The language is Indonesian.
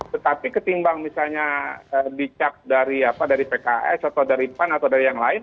tetapi ketimbang misalnya dicap dari pks atau dari pan atau dari yang lain